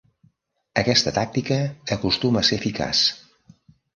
Aquesta tàctica acostuma a ser eficaç.